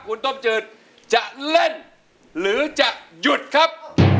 คุณต้มจืดจะเล่นหรือจะหยุดครับ